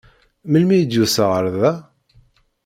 Melmi i d-yusa ar da?